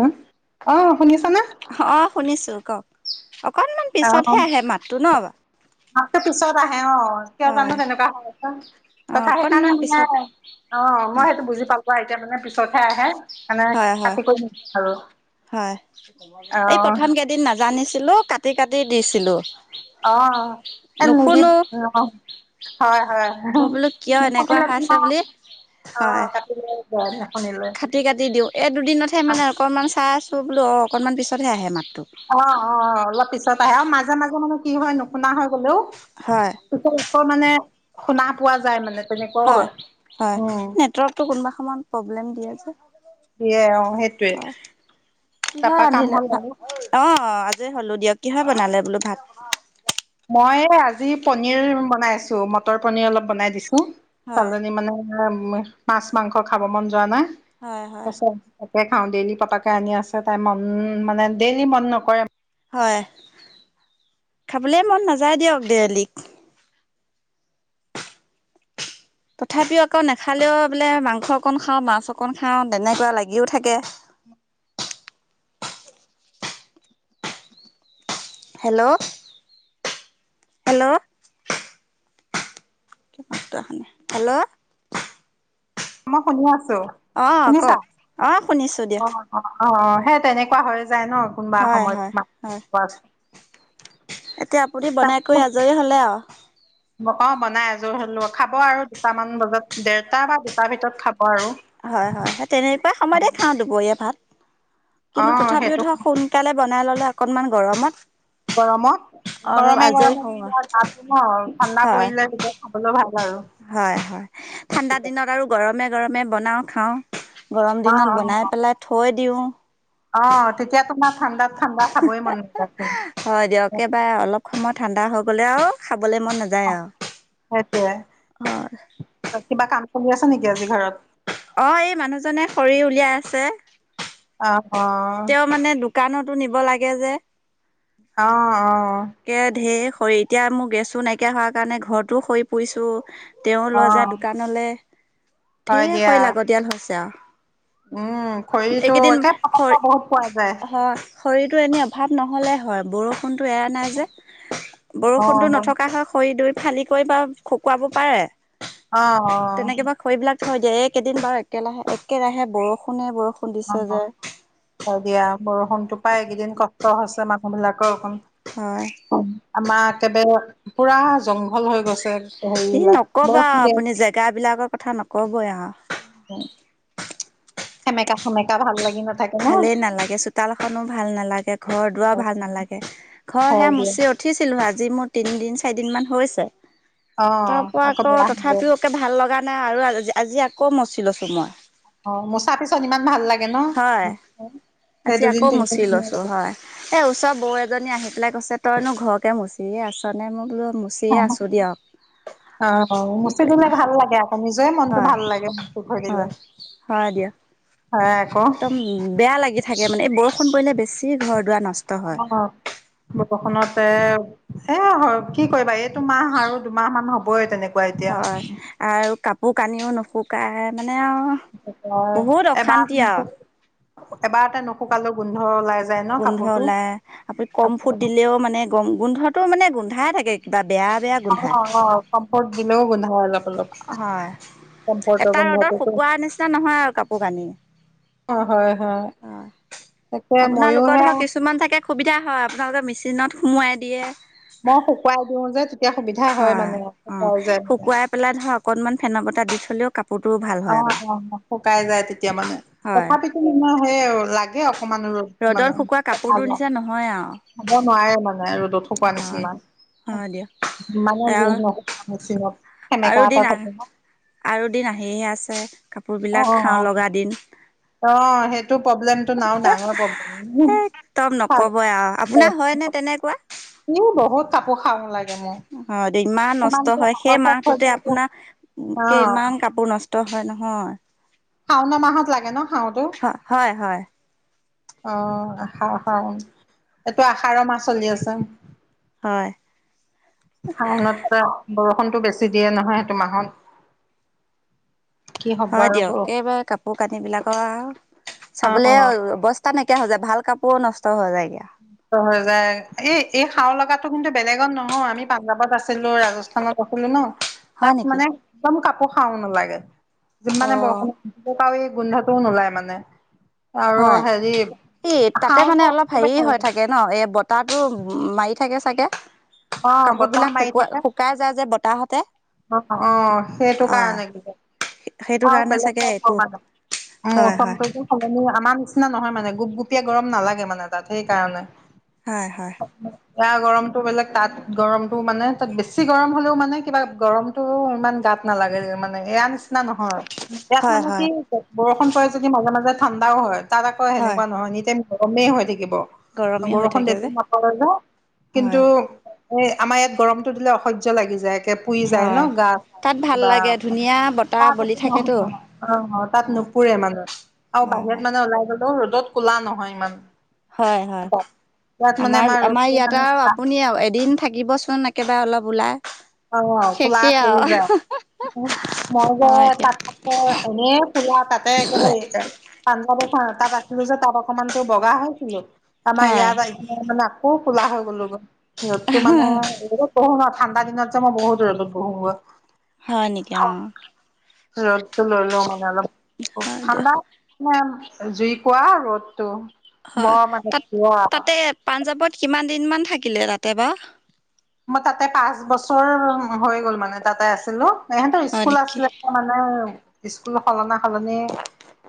ওম অ শুনিছা নে। অকণমান পিছতহে আহে মাতটো ন। মাততো পিছত আহে অ কিয় জানো হয় তেনেকুৱা হয় অ কথা সেইকাৰণে অকনমান মই। পিছত অ, মই সেইটো বুজি পালো আৰু এতিয়া মানে পিছতহে আহে। মানে হয়, হয়, কাটি কৰি নিদিয়ে আৰু হয় এই প্ৰথম কেইদিন নাজানিছ। ছিলো কাটি-কাটি দিছিলো। অ। হয় হয় অ, বোলো কিয় এনেকুৱা নুশুনিলে অহা আছে তোমাৰ বুলি। অ হয়। কাটিলে যায় নুশুনিলে খাটি-কাটি দিওঁ এই দুদিনতহে অ মানে অকণমান চাৰ্জ। তো, বোলো অকণমান পিছতহে আহে মাত। অ, অ অলপ পিছত আহে আৰু মাজে-মাজে মানে কি হয় নুশুনা হয় গলেও। হয় পিছত আকৌ মানে শুনা পোৱা যায় মানে। হয়, হয় উম নেতৱৰ্ক কোনোবা সময়ত প্ৰবলেম দিয়ে যে। দে, অ, সেইটোৱে। হয় তাৰাপা কাম হ'ল আৰু। অ, আজি হ'লো দিয়ক কি হয় বনালে বোলো ভাত? মই আজি পনিৰ বনাইছো মটৰ পনিৰ অলপ বনাই দিছো। হয় চালনী মানে মাছ-মাংস খাব মন যোৱা নাই। হয় হয় আছা।। খাওঁ ডেইলি পাপাকে আনি আছে তাই মন মানে ডেইলি মন নকৰে। হয়, খাবলৈ মন নাযায় দিয়ক দেলী। তথাপিও আকৌ নেখালেও বোলে মাংস অকন খাওঁ, মাছ অকন খাওঁ, তেনেকুৱা লাগিও থাকে। [unintelligible] Hello hello. হেল্ল'। মই শুনি আছো, অঁ শুনিছা? কওক অঁ শুনিছোঁ অ, দিয়ক অ, সেই তেনেকুৱা হৈ যায় ন কোনোবা হয় হয় হয় সময়ত। এতিয়া আপুনি বনাই কৰি আজৰি হলে আও। মক বনাই আযোৰ হল খাব আৰু দুটামান বজাত দেৰটা বা দুটাৰ ভিতৰত খাব। আৰু হয়, হয়, হয় তেনেকুৱাই সময়তে খাওঁ দুপৰীয়া ভাত। অ কিন্তু, তথাপিও সেইটো ধৰক সোনকালে বনাই ললে অকনমান গৰমত। গৰমত। অলপ আজৰি গৰমে-গৰমে হওঁ আৰু তেতিয়া তাতো ন ঠাণ্ডা হয় পৰিলে তেতিয়া খাবলৈ ভাল। আৰু হয়, হয় ঠাণ্ডা দিনত আৰু গৰমে গৰমে বনাও খাও। গৰম অ দিনত বনাই অ পেলাই থৈ দিওঁ। অ। তেতিয়া তোমাৰ ঠাণ্ডাত ঠাণ্ডা খাবই মন নাযায় চোন। বলে আৰু খাব। অ, সেইটয়ে হয় কিবা কাম চলি আছ নেকি আজি ঘৰত? অ, এই মানুহজনে খৰি উলিয়াই আছে। অ অ তেওঁ মানে দোকানতো নিব লাগে যে। অ' অ'। কে ঢেৰ খৰি এতিয়া মোৰ গেছো নাইকিয়া হোৱাৰ কাৰণে, ঘৰতো খৰি পুৰিছো। তেওঁ অ অ লৈ যায় দোকানলৈ। হয় ঢেৰ দিয়া খৰি লাগতিয়াল হৈছে আৰু। উম, খৰিটো এইকেইদিন একে পটককে খৰি বহুত পোৱা যায়। হয় খৰিটো এনেই অভাৱ নহ'লে হয়! বৰষুণটো এয়া নাই যে। অ বৰষুণটো অ নথকা হয়, খৰি দুই ফালি কৰি বা শুকুৱাব পাৰে। অ', অ'। তেনেকে বা খৰিবিলাক এইকেইদিন বাৰু একেলাহে-একেৰাহে বৰষুণে বৰষুণ দিছে অ যে। হয় দিয়া, বৰষুণতো পাই এইকেইদিন কষ্ট হৈছে মানুহবিলাক। হয় আমাৰ একবাৰে পুৰা জংগ ভল হৈ গৈছে ই হেৰিবিলাক। নকবা বৰষুণ। উম। আপুনি জেগাবিলাকৰ কথা নকবই আৰু। সেমেকা সেমেকা ভাল লাগি ন নাথাকে ভালেই নালাগে, চোতালখনো ভাল নালাগে। ঘৰ দুৱাৰ ভাল নালাগে। ঘৰ সেই হয় দিয়ে মচি উঠ উঠিছিলোঁহে, আজি মোৰ তিনিদিন-চাৰিদিনমান হৈছে। অ তাৰ পৰা আকৌ বেয়া হব তথাপিও একে ভাল লগা নাই, আৰু আজি আকৌ মচি লৈছো মই। অ' মোচা পিছত ইমান ভাল লাগে। ন হয়। সেই আজি দুদিন আকৌ তিনিদিন মচি ধুনীয়া লৈছোঁ লাগে হয়, এই ওচৰৰ বৌ এজনী আহি। আহি পেলাই কৈছে তইনো ঘৰকে মচিয়ে আছ নে? মই কৈছোঁ মচিয়ে আছোঁ দিয়ক। অ' কি মচি কৰিম দলে আ ভাল লাগে। আকৌ নিজৰে মনটো হয় ভাল লাগে মচি থৈ হয় দিলে। হয় দিয়া। হয় আকৌ একদম বেয়া লাগি থাকে মানে, এই বৰষুণ পৰিলে বেছি ঘৰ-দুৱাৰ ন আমাৰ [unintelligible] এ কি কৰিবা! এইটো মাহ আৰু দুমাহমান হ'বই তেনেকা। হয় আৰু কাপোৰ-কানিও নুশুকায়। মানে মানে আৰু বহুত অশান্তি এবাৰ আৰু! এবাৰতে নুশুকালে গোন্ধ ওলায় যে গোন্ধ ওলায়, আপুনি কমফুট দিলেও মানে গম-গোন্ধটো মানে গোন্ধাই থাকে। কিবা বেয়া বেয়া গোন্ধাই। অ' অ' কমফৰ্ত দিলেও গোন্ধায়। হয়। এটা ৰ'দত গোন্ধটোতো শুকোৱাৰ নিচিনা নহয় আৰু, কাপোৰ-কানি। অ' হয় হয়। তাকে ময়ো আপোনালোকৰ হে, ধৰক কিছুমান থাকে সুবিধা হয়। আপোনালোকে মেচিনত সোমোৱাই দিয়ে। মই শুকুৱাই দিও যে তেতিয়া, সুবিধা হয়। মানে অ' শুকাই যায় মানে শুকুৱাই পেলাই ধৰা অকনমান ফেনৰ বতাহ দি থলেও কাপোৰটোও ভাল হয় অ' বাৰু অ' শুকাই যায় তেতিয়া মানে। হয় তথাপিতো [unintelligible] সেই লাগে [unintelligible] ৰ'দ মানে। ৰ'দত শুকোৱা কাপোৰটোৰ ভাল নিচিনা নহয় আৰু খাব নোৱাৰে মানে, ৰ'দত শুকুৱা হয় নিচিনা। হয় দিয়ক আৰু মানে [unintelligible] আৰু সেমেকা দিন এটা আহ থাকে ন! আৰু দিন আহিহে আছে। কাপোৰবিলাক অ' খাওঁ অ'। লগা দিন অ' সেইটো। প্ৰব্লেমটো আৰু ডাঙৰ প্ৰব্লেম। একদম নকবই আৰু আপোনাৰ হয়নে তেনেকুৱা ই বহুত কাপোৰ [unintelligible] লাগে। মোৰ হয় দে, ইমান কিছুমান নষ্ট যে হয়, পাকচ সেই পাকচ হৈ মাহটোতে দিয়াটো আপোনাৰ কে অ', ইমান কাপোৰ নষ্ট হয়। হয় নহয়! শাওনৰ মাহত লাগে ন? শাওতো হয় হয়। অ' আহাৰ, শাওন। এইটো আহাৰৰ মাহ চলি আছে। হয়। শাওনত বৰষুণটো বেছি দিয়ে নহয়! সেইটো মাহত। কি হ'ব হয় আৰু দিয়ক। বৰষুণ এইবাৰ কাপোৰ-কানিবিলাকৰ আৰু! চাবলৈ অ', অৱস্তা নাইকিয়া হৈ যায়। ভাল কাপোৰ নষ্ট হৈ যায়গে ক যায় [unintelligible] এ এই হাও লগাটো কিন্তু বেলেগত নহয়, আমি পাঞ্জাৱত আছিলো ৰাজস্থানত আছিলো ন। হয় তাত নেকি মানে একদম কাপোৰ খাও নালাগে। অ যিমানে বৰষুণত ত এই গোন্ধাটো নোলাই মানে আৰু হয় হেৰি এই তাতে খা- মানে অলপ হেৰি হৈ থাকে ন এই বতাহটো মাৰি থাকে চাগে। অ কাপোৰ বতাহ বিলাক মাৰি শুকাৱা থাকে শুকাই যায় যে বতাহতে। অ অ সেইটো অ কাৰণে কি সেইটো - অ কাৰণে বেলেগ চাগে একো ঠাই হয় হয় মৌচমটো সলনি আমাৰ, নিচিনা নহয় মানে গোপগুপীয়া গৰম নালাগে মানে তাত সেইকাৰণে। হয় হয়। এয়া গৰমতটো বেলেগ, তাত গৰমতটো মানে তাত বেছি গৰম হলেও মানে কিবা গৰমতটো ইমান গাত নালাগে মানে। এয়া নিচিনা নিচিনা নহয়। ইয়াত হয় মানে কি হয় বৰষুণ পৰে যদি মাজে মাজে ঠাণ্ডাও হয়। তাত আকৌ হয় সেনেুৱা নহয় নিতি গৰমেই হৈ থাক গৰমেই হৈ বৰষুণ থাকে বেছি যে ন হয় কিন্তু। এই আমাৰ ইয়াত গৰমতটো দিলে অসহ্য লাগি যায়, একে পুৰি যায় ন হয় গা চ তাত ভাল কিবা। লাগে ধুনীয়া বতাহ তাত বলি একো থাকেতো নহ অ তাত হয় নুপুৰে মানে আৰু হয় বাহিৰত মানে ওলাই গলেও ৰ। ত কোলা নহয় ইমান। হয় হয়। ইয়াত মানে আমাৰ ৰ'দটো আমাৰ ইয়াতে মানে আৰু ক'লা আপুনি এদিন থাকিবচোন একেবাৰে অলপ ওলাই। অ কোলা শেষেই পৰি আৰু যায়। মই যে, হয় দিয়ক। তাত তাত এনে ফুা তাতে একেবাৰে। তাত আছিলো যে তাত। অকমানতো বগা হৈছিলো, আমাৰ হয় ইয়াত এতিয়া মানে আকৌ কোলা হৈ গলো গৈ। ৰ'দটো মানে ৰ'দত বহো ন ঠাণ্ডা দিনত যে মই বহুত ৰ'দত বহো গ। হয় নেকি অ। ৰ'দটো ললো মানে অলপব হয় দিয়ক ঠাণ্ডা। ম জুই কোৱা ৰ'দতটো। হয়, তাত তাতে পাঞ্জাৱত কিমান দিনমান থাকিলে তাতে বা। মই তাতে পাঁচ বছৰ হৈ গ'ল মানে তাতে আছিলো। সিহঁতৰ হয় স্কুল নেকি আছিলে মানে স্কুল সলনা সলনি।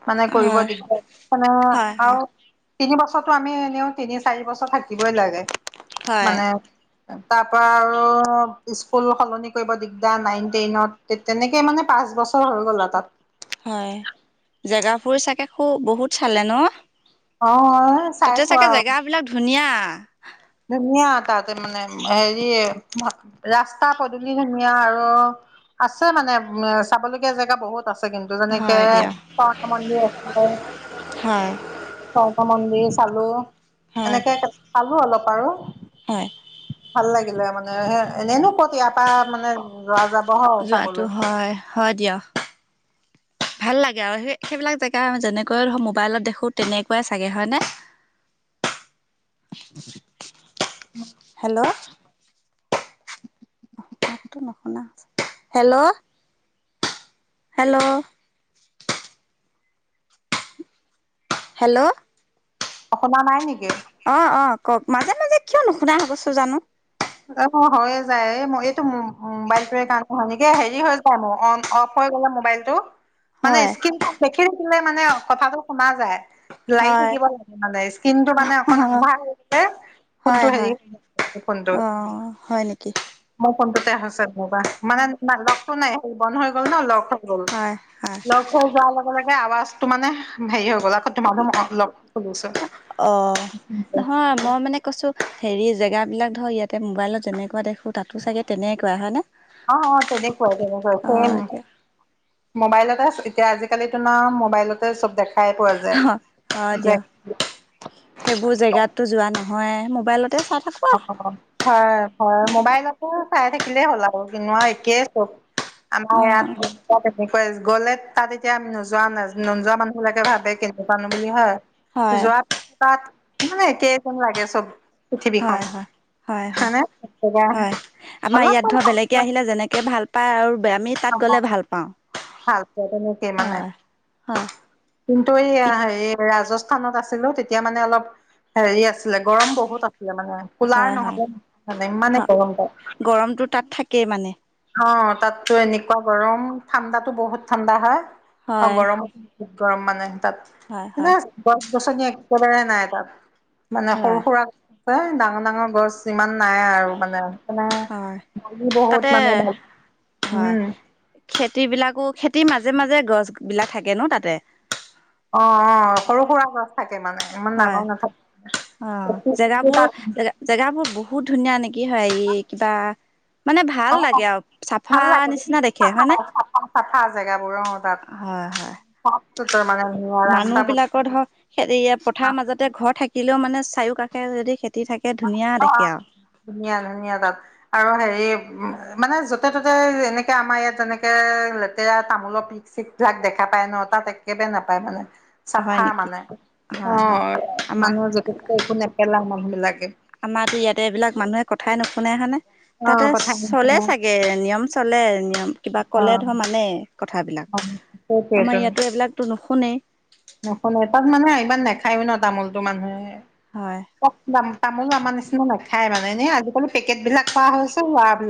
মানে কৰিব হয় দিগদ মানে হয় হয় আৰু। তিনি বছৰো আমি এনেও, তিনি চাৰি বছৰ থাকিবই লাগে হয় মানে। তাৰ পৰা আৰু স্কুল সলনি কৰিব দিগদাৰ নাইন টেইনত তেনেকে মানে পাচ। পাঁচ বছৰ হৈ গ'ল তাত। হয় জেগাবোৰ চাগে খু বহুত চালে ন। অ তাতে চাইছো চাগে আৰু। জেগাবিলাক ধুনীয়া ধুনীয়া তাতে মানে হেৰি ৰাস্তা পদূলি ধুনীয়া আৰু। আছে মানে উ চাবলগীয়া জেগা বহুত আছে।। কিন্তু যেনেকে, হয় দিয়া মন্দিৰ হয় আছে মন্দিৰ। খালো হয় এনেকে খালো অলপ আৰু। হয়। ভাল লাগিলে মানে এনেইনো কতিয়াৰ পৰা মানে যোৱা যাব। হয় যোৱাটো চাবলৈ হয় হয় দিয়ক। ভাল লাগে আৰু সেই সেইবিলাক জেগা যেনেকৈ ধৰ মোবাইলত দেখো তেনেকুৱাই চাগে হয়নে। [inaudible] হেল্ল'। নশুনা হেল্ল'। হেল্ল'। হেল্ল'। অ' শুনা নাই নেকি? অ' অ' কওক। মাজে মাজে কিয় নুশুনা হৈ গৈছো জানো! অ' হয়য়ে যায়। এইটো মোবাইলটো কাৰণে হয় নেকি! এই হেৰি হৈ' যায়। মোৰ অন অফ হৈ মোবাইলটো। মানে হয় স্ক্ৰীনখন দেখি থাকিলে মানে কথাটো শুনা যায়। লাৰি হয় থাকিব লাগে মানে! স্কিনটো মানে অকন আন্ধাৰ হৈছে। ফোনটো হয় হেৰি হয় ফোনটো অ' হয় নেকি? মোৰ ফোনটোতে হৈছে মুবা। মানে নাই, লকটো নাই। হে বন্ধ হৈ গ'ল ন লক গ'ল। হয় হয় লগ হৈ যোৱাৰ লগে লগে আৱাজটো মানে হেৰি হৈ গ'ল। তোমালৈ লক খুলিছো। অ'। নহয় মই মানে কৈছো হেৰি! জেগাবিলাক ধৰ ইয়াতে মোবাইলত যেনেকোৱা দেখো তাতো চাগে তেনেকুৱাই হয়নে? অ অ তেনেকুৱাই তেনেকুৱাই অ' ছেম এতিয়া মোবাইলতে এতিয়া আজিকালিতোন আৰু মোবাইলতে চব দে হয় অ' দিয়ক। সেইবোৰ জেগাততো যোৱা নহয়ে। মোবাইলত হয় হয়। আৰু মোবাইলটো চাই থাকিলেই হ'ল আৰু! কিনো একেই চব। আমাৰ ইয়াত অ', গ'লে তাত এতিয়া আমি নোযোৱা ন নোযোৱা মানুহবিলাকে ভাবে কেনেকুৱানো বুলি হয়! হয়, যোৱা পিছত তাত মানে কেইজন লাগে চব পৃথিৱীখন। হয়, হয়, হয় হয়, হয়নে? হয়। আমাৰ অলপ ইয়াত ধৰা বেলেগে অলপ আহিলে যেনেকে ভাল পায় আৰু আমি তাত গ'লে ভাল পাওঁ। ভালপোৱা তেনেকেই মানে। হয়, হয়, কিন্তু এই হেৰি ৰাজস্থ স্থানত আছিলো। তেতিয়া মানে অলপ হেৰি আছিলে গৰম বহুত আছিল। মানে, হয়, কুলাৰ হয়, নহ'লে মানে, ইমানে হয়, গৰম তাত গৰমটো তাত থাকেই মানে। অ' তাততো এনেকুৱা গৰম। ঠাণ্ডাতো বহুত ঠাণ্ডা হয়। আৰু হয়, গৰমত বহুত গৰম মানে তাত। হয়, এনে হয়, গছ-গছনি একেবাৰে নাই তাত। মানে হয়, সৰু-সুৰা গছ আছে। ডাঙৰ ডাঙৰ গছ ইমান নাই আৰু মানে। হয়, মানে বহুত তাতে মানে, উম খেতিবিলাকো, খেতিৰ মাজে মাজে গছ বিলাক থাকে ন তাতে! অ' অ' সৰু-সুৰা গছ থাকে। মানে ইমান হয়, ডাঙৰ নাথাকে অ'। খেতি কিন্তু তাত জেগাবোৰ, জে-জেগাবোৰ বহুত বহুত ধুনীয়া নেকি, হেৰি কিবা মানে ভাল লাগে অ আৰু! চাফা ভাল লাগে নিচিনা দেখে চাফা হয়নে? চাফা চাফা জেগাবোৰ অ' তাত। তাৰ মানে ধুনীয়া ৰাস্তা পদূলি মানুহবিলাকৰ ধৰক, ইয়াত পথাৰৰ মাজতে ঘৰ থাকিলেও মানে চাৰিও কাষে যদি খেতি থাকে ধুনীয়া দেখে অ' আৰু। ধুনীয়া ধুনীয়া তাত। আৰু হেৰি এই উ মানে য'তে-ত'তে এনেকে আমাৰ ইয়াত যেনেকে লেতেৰা তামোলৰ পিক-চিকবিলাক দেখা পায় ন? তাত একেবাৰে নাপায় মানে। হয় চাফা নেকি? মানে। হয় হয়। অ' আমাৰ মানুহ য'তে-ত'তে একো নেপেলায় মানুহবিলাকে। আমাৰতো ইয়াতে এইবিলাক মানুহে কথাই নুশুনে হয়নে! অ তাতে কথা চলে নুশুনে চাগে, নিয়ম চলে। নিয়ম কিবা অ ক'লে ধৰ মানে। কথাবিলাক। অ সেইটোৱেইটো আমাৰ ইয়াতে এইবিলাকতো নুশুনে। খায়ো ন তামোলটো মানুহে। হয়। ক তামোলো আমাৰ নিচিনা নাখায় মানে! এনে আজিকালি পেকেটবিলাক খোৱা হৈছে।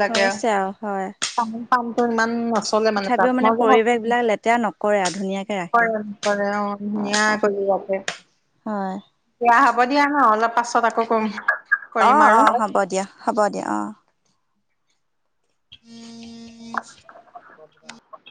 হৈছে আৰু, হয়। তামোল-পাণটো ইমান নচলে মানে তথাপিও তাত। মই জনাত পৰিৱেশ বিলাক লেতেৰা নকৰে আৰু ধুনীয়াকে ৰাখে। [unintelligible] অ' ধুনীয়া কৰি ৰাখে। হয়। দিয়া, হ'ব দিয়া নহ'লে। অলপ পাছত আকৌ কৰিম। কৰিম অ' আৰু অ' হ'ব দিয়া। হ'ব দিয়া, অ'। [unintelligible]